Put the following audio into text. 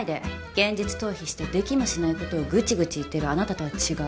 現実逃避してできもしないことをぐちぐち言ってるあなたとは違う。